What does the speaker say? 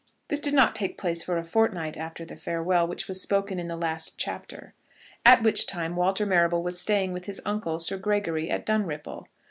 This did not take place for a fortnight after the farewell which was spoken in the last chapter, at which time Walter Marrable was staying with his uncle, Sir Gregory, at Dunripple.